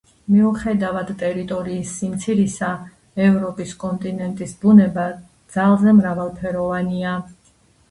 მიუხედავად ტერიტორიის სიმცირისა, ევროპის კონტინენტის ბუნება ძალზე მრავალფეროვანია.